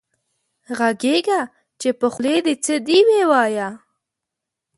غږېږه چې په خولې دې څه دي وې وايه